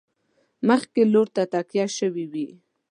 مخکې لور ته تکیه شوي وي.